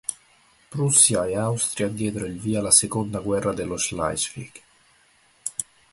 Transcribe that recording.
Prussia e Austria diedero il via alla Seconda guerra dello Schleswig.